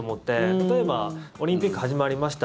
例えばオリンピック始まりました